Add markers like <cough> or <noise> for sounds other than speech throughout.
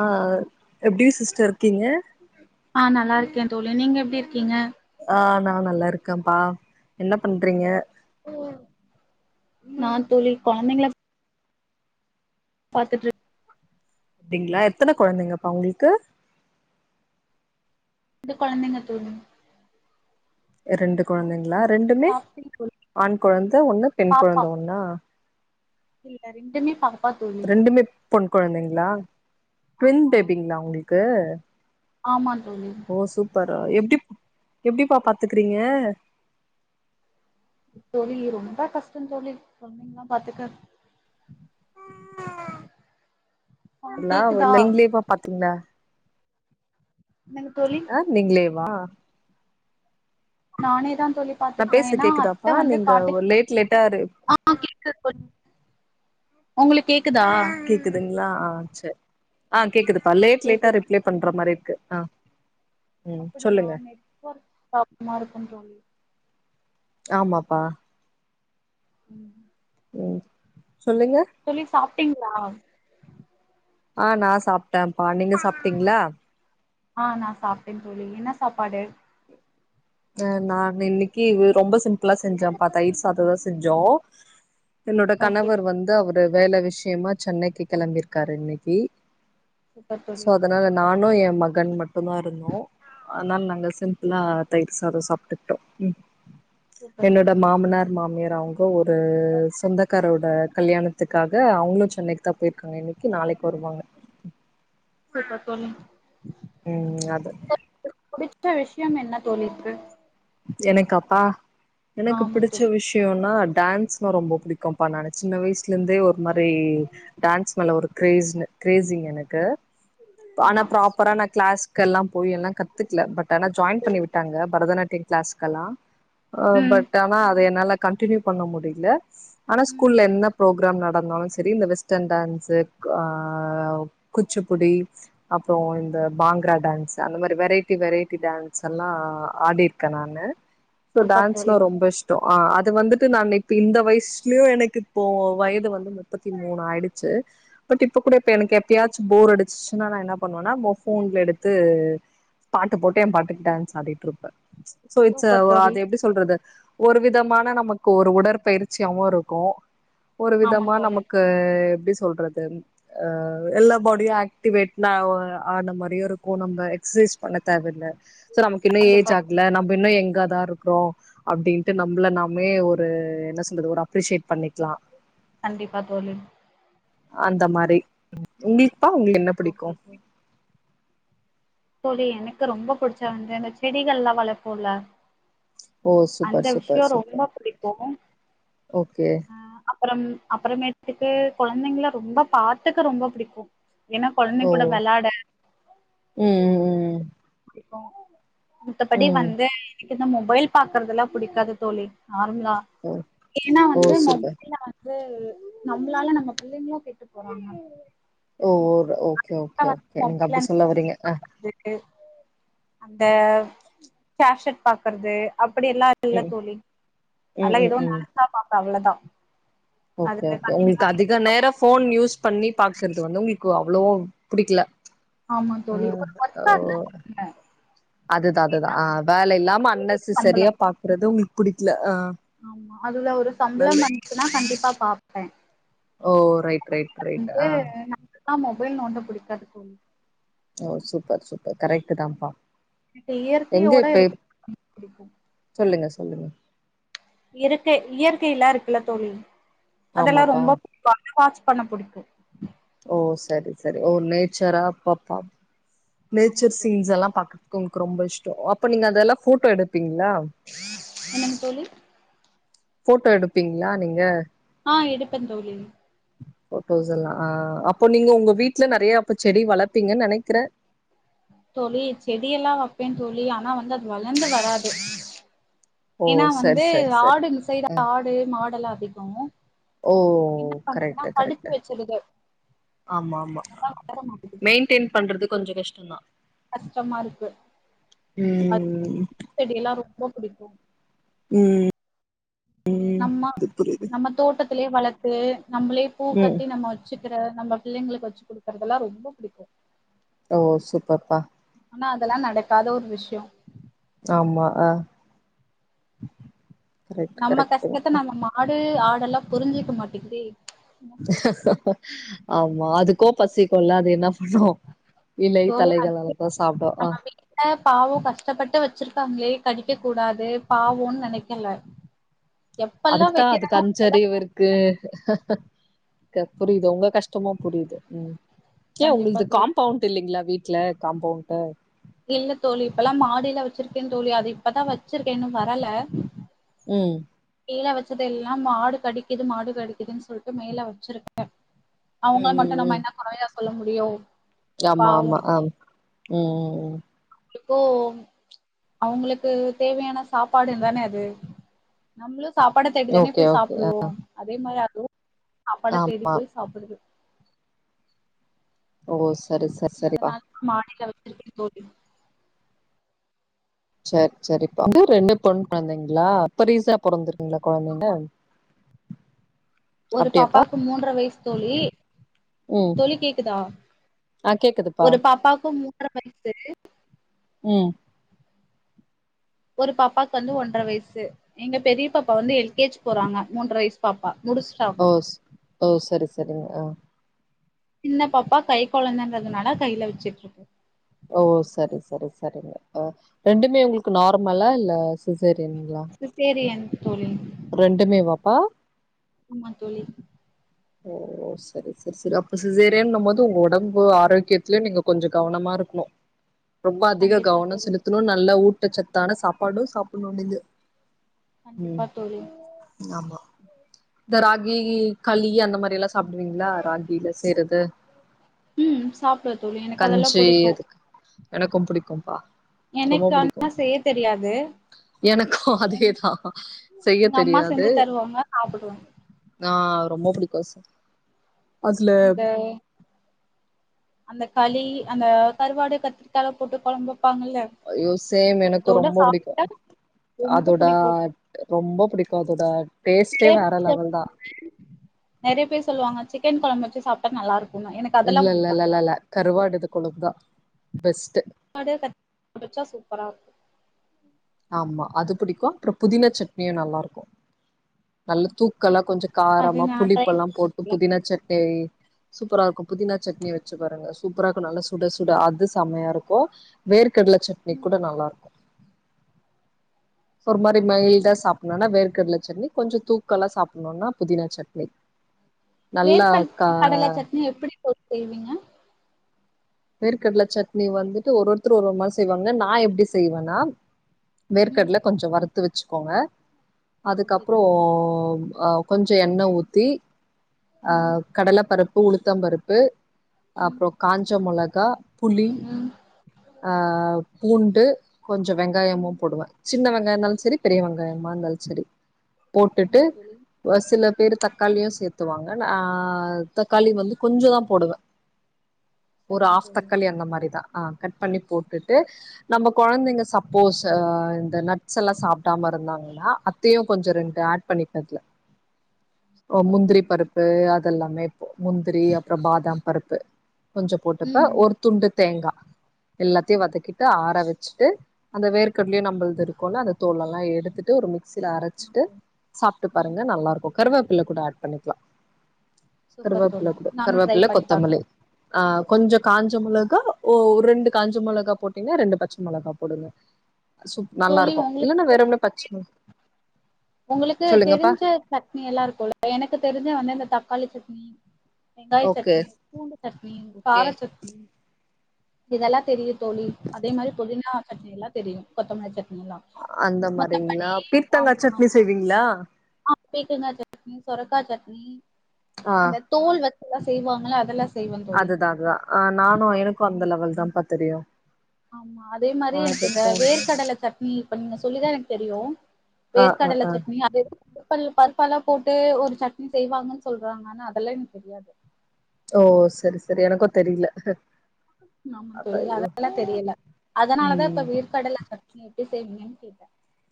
ஆஹ் எப்டி சிஸ்டர் இருக்கீங்க ஆ நல்லா இருக்கே தோழி நீங்க எப்டி இருக்கீங்க ஆஹ் நான் நல்லா இருக்கேப்பா என்ன பண்றீங்க நா தோழி கொழந்தைங்கல பாத்துட்டு இரு அப்டிங்களா எத்தன கொழந்தைங்கப்பா உங்ளுக்கு ரெண்டு கொழந்தைங்க தோழி ரெண்டு கொழந்தைங்க ரெண்டுமே சாப்ட்டீங் தோழி? ஆண் கொழந்த ஒண்ணு பெண் பாப்பா கொழந்த ஒன்னா இல்ல ரெண்டுமே பா ரெண்டுமே பொண் கொழந்தைங்களா ட்வின்பேபிங்லா உங்ளுக்கு க்கு ஆமாங் ஓ சூப்பர் அ எப்டிப் எப்டிப்பா பாத்துக்றீங்க தோழி ரொம்ப கஷ்ட தோழி கொழந்தைகள பாத்துக்க ஆ எல்லா கேக்குதா நீங்ளேவா பாத்தீங்களா என்னங்க தோழி அஹ் நீங்களே வா நானேதான் தோழி நா பாத்துக்குவே பேசுறது ஏனா கேக்குதாப்பா அத்த வந்து நீங்க காட்டுக் லேட் லேட்டா ஆஹ் கேக்குது தோழி உங்களுக்கு கே கேக்குதுங்களா ஆஹ் சரி ஆஹ் கேக்குது பா லேட் லேட்டா கேக்குது ரிப்ளே பண்ற மாரி இருக்கு ஆஹ் அப்படியா நெட்வொர்க் ப்ராபளமா இருக்கு தோழி ஆமாப்பா உம் ம் சொல்லுங்க டிங்களா ஆஹ் நா சாப் டேம்பா நீங்க சாப்ட்டீங்களா ஆ நா சாப்ட்டேன் தோழி என்ன சாப்பாடு ஆ நா இன்னிக்கி ரொம்ப சி ம்பிளா செஞ்சம்பா தயிர் சாத தா செஞ்சோ என்னோட ஓகே கணவர் தோழி வந்து அவரு வேல விஷயமா சென்னைக்கு கிளம்பிரு காரு இன்னிக்கு சூப்பர் சோ தோழி அதனால நா னு எ மகன் மட் டுதா இருந்தோ அதனால நாங்க சிம் ப்ளா தயிர் சாதோ சாப்ட்டுட்டோ ம் சூப்பர் என்னோட தோழி மாமனார் மாமியார் அவுங்க ஒரு சொந்தக்காரோட கல்யாணத்துக்காக அவங்களு சென்னைக்குதா போயிருக்காங்க இன்னைக்கு நாளைக்கு வருவாங்க சூப்பர் தோழி உம் அது புடிச்ச விஷ்யம் என்ன தோழி இருக்கு எனக்காப்பா எனக்கு ஆமா பிடிச்ச தோழி விஷ்யோனா அத் டான்ஸ்னா ரொம்ப புடிக்கும்ப்பா நானு சின்ன வயசு லருந்தே ஒரு மாரி டான்ஸ் மேல ஒரு க்ரேஸ்னு க்ரேஸிங் எனக்கு ப் ஆனா ஆமா ப்ராப்பரா நா க்ளாஸ் கல்லா போய் எல்லா கத்துக்ல பட் ஏனா ஜாயின் பண்ணி விட்டாங்க பரதநாட்டியம் க்ளாஸ்க்கலா ஆஹ் ம் பட் ஆனா அது என்னால கன்ட்டினியு பண்ண முடிய்ல ஆனா ம் ஸ்கூல்ல என்னப் ப்ரோக்ராம் நடந்தாலு செரி இல்ல வெஸ்டர்ன் டான்சுக் ஆஹ் குச்சூப்புடி அப்றோ இந்த பாங்க்ரா டான்சு அந்த மாரி வெரைட்டி வெரைட்டி டான்ஸெல்லா ஆடிர் க்க நானு சோ சூப்பர் டான்ஸ்னா தோழி ரொம்ப இஷ் தொ ஆஹ் அது வந்துட்டு நானு இப்ப இந்த வயசுலே எனக்கு இப்போ வயது வந்து முப்பத்தி மூணு ஆயிடுச்சு பட் இப்ப கூட இப்ப எனக்கு எப்பயாச்சு போர் அடிச்சுச்சுனா நா என்ன பண்ணுவனா ப ஃபோன்ல எடுத்து பாட்டு போட்டு எ பாட்டுக்கு டான்ஸ் ஆடிட்ருப்பே சோ இட்ஸ் ஆ சூப்பர் வா தோழி அது எப்டி சொல்றது ஒரு விதமான நமக்கு ஒரு உடற்பயிற்சியாவு இருக்கு ஒரு ஆமா விதமா தோழி நமக்கு எப்டி சொல் சொல்றது அ எல்லா பாடியு ஆக்டிவேட் நா ஆ ஆன மாரியு இருக்கு நம்ம எக்சைஸ் பண்ண தேவையில்ல சோ நமக்கு இன்னு கண்டிப்பா ஏஜ் ஆக் தோழி நம்ம இன்னு யங்காதா இருக்றோ அப்டின்ட்டு நம்மள நாமே ஒரு என்ன சொல்றது ஒரு அப்ரிஷியேட் பண்ணிக்கலா கண்டிப்பா தோழி அந்த மாரி உங்குளுக் ப்பா உங்குளு என்ன பிடிக்கு ஓகே தோழி தோழி எனக்கு ரொம்ப புடிச்ச வந்து இந்த செடிகள்ளா வளப்போல ஓ அந்த சூப்பர் சூப்பர் விஷயோ சூப்பர் ரொம்ப புடிக்கு ஓகே அஹ் அ அப்புறம் அப்புறமேட்டுக்கு கொழந்தைங்கள ரொம்ப பாத்துக்க ரொம்ப புடிக்கும் ஏன்னா ஓ கொழந்தைங்க கூட வெளாட உம் <inaudible> மத்தபடி வந்து ன மொபைல் பாக்குறதெல்லா புடிக்காது தோழி நார்மலா ம் ஏன்னா ஓ வந்து சூப்பர் மொபைல்ல வந்து நம்மளால நம்ம பிள்ளைங்களா கெட்டு போறாங்க ஓர் ஓகே ஓகே ஓகே நீங்க மொபைல்ல அப்டி சொல்லவறீங்க ஹ பாக்குறது அந்த அ கேஷட் பாக்கறது அஹ் அப்டி எல்லா இல்ல ம் தோழி ம் அல்லா ம் ஏதோ ம் நெனைச்சா பாப்பே அவ்ளோதா ஓகே அதுல ஓகே உங்களுக்கு கண்டினியூவா அதிக எடுத்துக்காம நேரம் போன் யூஸ் பண்ணி பாக்குறது வந்து உங்களுக்கு அவ்வளோ பிடிக்கல ஆமா தோழி அதுதான் அதுதான் ஆஹ வேல இல்லாம அதுவே அன்னசு சரியா சம்பளம் பாக்குறது உங்களுக்கு பிடிக்ல ஆமா அதுல ஒரு சம்பளம் வந்துச்சுன்னா கண்டிப்பா பாப்பேன் ஓ ரைட் ரைட் ரைட் ஆஹ் ஆஹ மொபைல் நோண்ட புடிக்காது தோழி ஓ சூப்பர் சூப்பர் கரெக்டு தான்ப்பா எனக் எங்க இயற்கையோட இப்ப இருக்க புடிக்கும் சொல்லுங்க சொல்லுங்க இருற்கை இயற்கையல்லா இருக்குல்ல தோழி அதெல்லாம் ஆமாப்பா ரொம்ப புடிக்கு வாட்ச் பண்ண புடிக்கும் ஓ சேரி சேரி ஓ நேச்சரா பாப்பா ஆமா நேச்சர் தோழி சீன்ஸ் எல்லாம் பாக்க க்கும் கு ரொம்ப இஷ்டம் அப்ப நீங்க அதெல்லாம் போட்டோ எடுத் ப்பீங்களா என்னங்க தோழி போட்டோ எடுப்பீங்களா நீங்க ஆ எடுப்பேன் தோழி ஃபோடோஷ் எல்லா ஆஹ் அப்போ நீங்க உங்க வீட்டுல நிறைய அப்ப செடி வளப்பீங்க நினைக்கிற தோழி செடியெல்லாம் வைப்பேன் தோழி ஆனா வந்து அது வளர்ந்து வராது ஓ ஏன்னா சரி வந்து சரி சரி ஆடு மிசைதா ஆடு மாடெல்லாம் பிடிகமு ஓ கரெக்டு கரெக்டு வச்சிருது ஆமாமா அதனால வளர மாட்டேங்குது மெயின்டெய்ன் பண்றது கொஞ்ச கஷ் ம் ந கஷ்டமா இருக்கு அ ம் செடிய எல்லாரு ரொம்ப பிடிக்கும் உம் நம்ம நம்ம தோட்டத்திலயே வளத்து நம்மளே பூ ம் கட்டி நம்ம வச்சு வக்கிற நம்ம பிள்ளைங்களுக்கு வச்சு குடுக்கறதெல்லா ரொம்ப புடிக்கு ஓ சூப்பர்ப்பா ஆனா அதெல்லா நடக்காத ஒரு விஷயோ ஆமா ஆஹ் நம்ம கஷ்டத்த நம்ம மாடு ஆ டெல்லா புரிஞ்சுக்க மாட்டிங்குதே ஆ மா அதுக்கு பசிக்குல்ல அது என்னா ப தோழி அது சாப்டு ஆ நம்ம வீட்ல பாவ கஷ்டப்பட்டு வச்சிருக்காங்களே கடிக்க கூடாது பாவோன்னு நெனைக்கல எப்பெல்லா அதுக்கு தா அதுக்கு வைக்கிறானோ அப்பெல்லா அஞ்சறிவு இருக்கு புரியது உங்க கஷ் டமு புரியுது உ ஏ கண்டிப்பா உங்குளுது தோழி காம்பவுண்ட் இல்லைங்களா வீட் ல காம்பவுண்ட்டு இல்ல தோழி இப்பல்லா மாடியில வச்சிருக்கே தோழி அது இப்பதா வச்சிருக்கே இன்னு வரல உம் கீழ வச்சது எல்லா மாடு கடிக்குது மாடு கடிக்குதுன்னு சொல்லிட்டு மேல வச்சிருக்கே அவங்கள ம் மட்டு நம்ம ம் என்ன கொறையா சொல்ல முடியு ஆமா ஆமா ஆ உம் ம் இப்போ அவங்களுக்கு தேவையான சாப்பாடு தானே அது நம்மளும் சாப்பாடை தேடி தானே ஓகே போய் ஓகே சாப்புடுவோ அதே மாதிரி அதுவும் சாப்பாட ஆ தேடி போய் சாப்பிடுது ஓ சரி சரி சரிப்பா சிருக்க தோழி சரி சரிப்பா <inaudible> ரெண்டு பொண் கொழந்தைங்களா இப்ப ரீசா பொறந்திருக்கு கொழந்தைங்க ஆமா ஒரு அப்டியாப்பா பாப்பாக்கு மூன்ற வயசு தோழி ம் தோழி கேக்குதா ஆ கேக்குதுப்பா ஒரு பாப்பாக்கு மூன்ற வயசு உம் ஒரு பாப்பாக்கு வந்து ஒன்ற வயசு எங்க பெரிய பாப்பா வந்து எல் கே ஜி போறாங்க மூன்ற வயசு பாப்பா முடிச்சுட்டாங்க ஓ ஓ செரி செரிங்க ஆஹ சின்ன பாப்பா கை குழந்தைன்றதுனால கையில வச்சுட்டு இருக்கு ஓ செரி செரி செரிங்க ஓ ரெண்டுமே உங்களுக்கு நார்மலா இல்ல சிசேரியனுகளா சிசேரியன் தோழி ரெண்டுமே வாப்பா ஆமா தோழி ஓ செரி செரி செரி அப்ப சிசேரியன் நும் போது உங்க உடம்பு ஆரோக்கியத்துல நீங்க கொஞ்சோ கவனமா இருக்கணும் ரொம்ப அதிக கண்டிப்பா கவனம் தோழி செலுத்தணும் நல்லா ஊட் ஊட்டச் சத்தான சாப்பாடும் சாப்புண்ணுனுது கண்டிப்பா ம் தோழி ஆமா இந்த ராகி களி அந் அந்த மாறில சொ சாப்பிடுவீங்களா ராகில செய்றது ம் சாப்டுவ தோழி எனக்கு அதெல்லா கஞ்சி புடிக்கு அதுக்கு எனக்கும் பிடிக்கும்பா ரொம்ப எனக்கு ஆனா பிடிக்கும் செய்ய தெரியாது எனக்கும் எங் அதேதான் செய்ய எங்க அம்மா தெரியாது செஞ்சு தருவாங்க சாப்புடுவ நா ரொம்ப புடிக் பச அதுல அந்த அந்த களி அந்த கருவாடு கத்திரிக்கால போட்டு குழம்பு ஐயோ சேம் எனக்கு ரொம்ப புடிக்கு சாப்ட்டா ரொம்ப அதோட புடிக்கு ரொம்ப புடிக்கும் அதோட <unintelligible> டேஸ்ட்டே வேற லெவல் தா நெறைய பேர் சொல்லுவாங்க சிக்கன் குழம்புவச்சு சாப்ட்டா நல்ல இருக்கு இல்ல இல்ல இல்ல இல்ல இல்ல ல கருவாடு இது கொழபுதா பெஸ்ட்டு நாடு கச்சா <unintelligible> சூப்பரா இருக்கும் ஆமா அது புடிக்கு அப்றோ புதினா சட்னியு நல்லா இருக்கும் நல்ல தூக்கலா கொஞ்சோ அது காரமா நா ட்ரை புளிப்பெல்லா போட்டு பண்ணதில்ல. புதினா சட்னி சூப்பராருக்கு புதினா சட்னி வச்சு பாருங்க சூப்பராருக்கு நல்லா சுட சுட அது செமையா இருக்கும் வேர்க கடல சட்னி ம் கூட நல்லா இருக்கு ஒரு சூப்பர் மாறி தோழி மயில்டா சாப்டணும்னா வேர் கடலச்சட்னி கொஞ்சோ தூக்கலா சாப்டணும்னா புதினா சட்னி நல்லா வேர்கல் கா கடல சட்னி எப்படி <unintelligible> செய்வீங்க வேர்கடல சட்னி வந்துட்டு ஒரு ஒருத்தர் ஒரு ஒரு மாறி செய்வாங்க நான் எப்படி செய்வேனா ம் வேர்கடல கொஞ்சோ வருத் த்து வச்சுக்கோங்க ஓகே அதுக்கப்றோ தோழி அஹ் கொஞ்சம் எண்ணெய் ஊத்தி ம் அஹ் கடலப்பருப்பு உளுத்தம் பருப்பு ம் அப்றோ காஞ்ச மொளக க்க புலி ம் ஆ பூண்டு கொஞ்சொ வெங்காயமும் ம் போடுவேன் சின்ன வெங்காயம் இருந்தாலும் செரி பெரிய வெங்காயமா இருந்தாலும் செரி போட்டுட்டு சரிங்க தோழி சில பேரு தக்காளியூ சேர்த்துவாங்க ஆஹ் தக்காளி வந்து கொஞ்சதா போடுவே ஒரு சரிங்க ஆஃப் தோழி தக்காளி அந்த மாரிதா ஆ கட் பண்ணி போட்டுட்டு நம்ம கொழந்தைங்க சப்போஸ் இந்த நட்ஸ் எல்லாம் சாப் டாம இருந்தாங்கன்னா அத்தையும் கொஞ்சம் ரெண்டு பண்ணல சூப்பர் முந்திரி தோழி பருப்பு எல்லாமே முந்திரி அப்புறம் பாதாம் பருப்பு கொஞ்சோ போட்டுப்ப ம் ஒரு துண்டு தேங்கா எல்லாத்தையும் வதக்கிட்டு ஆற வெச்சுட்டு அந்த வேர்க் நம்மள இருக்கும் அந்த தோலெல்லாம் எடுத் ட்டு ஒரு சில அரைச்சிட்டு ஓகே. சாப்பிட்டு ம் பாருங்க நல்லா இருக்கும் கருவேப்புள்ள கூட ஆட் பண்ணிக்கலாம் சூப்பர் கருவோப்புள்ள தோழி கூட நானு ட்ரை கருவோப்ள பண்ணி கொத்தமல்லி பாக்குறே ஆ கொஞ்சம் காஞ்ச மொளகா ஒரு ரெண்டு காஞ்ச மொளகா போட்டீங்கன்னா ரெண்டு பச்ச மிளகா போடுங்க சூப் நல்லா தோழி இருக்கு இல்லன்னா உங்களுக்கு வெறும்னே பச்ச மொள உங்களுக்கு சொல்லுங்கப்பா தெரிஞ்ச சட்னி எல்லாம் இருக்கும் எனக்கு தெரிஞ்ச வந்து இந்த தக் தக்காளி சட்னி வெங்காய ஓகே சட்னி பூண்டு சட்னி பார சட்னி இதெல்லாம் தெரியும் தோழி அதே மாதிரி பொதினா சட்னி எல்லாம் தெரியும் கொத்தமல்லி சட்னி எல்லா அந்த மாதிரிங்களா மத்தபடி பீர்த்தங்காய் சட்னி செய்வீங்களா ஆஹ் பீக்கங்காய் சட்னி சொரக்கா சட்னி ஆ அந்த தோல் வந் செய்வாங்களா அதெல்லாம் அதுதான் அதுதான் ஆஹ் நானும் எனக்கும் அந்த லெவல் தான் பத்தெரியும் ஆமா அதே மாதிரி எனக்கு இந்த வேர்க்கடல சட்னி அப்ப நீங்க சொல்லிதான் எனக்கு தெரியும் ஆ ஆ வேர்கடல ஆ சட்னி அத குக்கல் பருப்பாலா போட்டு ஒரு சட்னி செய்வாங்கன்னு சொல்றாங்க ஆனா அதெல்லா எனக்கு தெரியாது ஓ சரி சரி எனக்கும் தெரில ஆமா அதா சொல்லு ஐயோ அதெல்லாம் தெரில அதனாலதான் ம் இப்ப வெர் கடல எட்டு <unintelligible> கெட்ட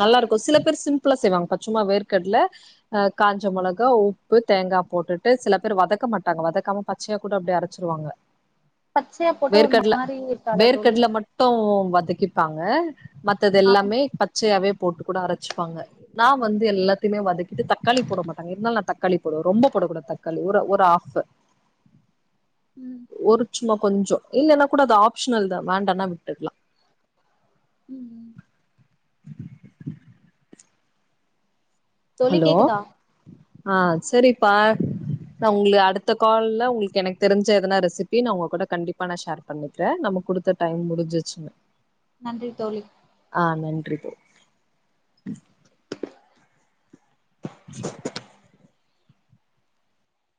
நல்லா இருக்கும் சில பேர் சிம்பிளா செய்வாங்க பச்சும்மா வேர்க்கடல அஹ் காஞ்ச மெளகா உப்பு தேங்காய் போட்டுட்டு சில பேர் வதக்க மாட்டாங்க வதக்காம பச்சையா கூட அப்படி அரச்சிருவாங்க பச்சையா போட்டா ஒரு வேர்க்கடல மாரி இருக்காதா தோழி வேர்க்கடல மட்டும் வதக்கி இருப்பாங்க மத்தது ஆ ம் எல்லாமே பத் பச்சையாவே போட்டு கூட அரைச்சிப்பாங்க நான் வந்து எல்லாத்துமே வதக்கிட்டு தக்காளி போட மாட்டாங்க இருந்தாலும் நான் தக் தக்காளி போடும் ரொம்ப போடக்க கூடா தக்காளி ஒரு ஒரு ஆஃப் உம் மா கொஞ்சம் இல்லைன்னா கூட அது ஆப்ஷனல் தான் வேண்டனா விட்டுக்கலாம் உம் உம் தோழி ஹலோ கேக்குதா ஆஹ் செரி ப்பா ந உங்கள அடுத் இந்த கால்ல உங்களுக்கு எனக்கு தெரிஞ் சதனா ரெசிபி நான் உங்க கூட கண்டிப்பா நான் ஷேர் பண்ணிக்கிறேன் நம்ம குடுத்த டைம் முடிஞ்சிச்சுங்க நன்றி தோழி ஆஹ் நன்றி தோழி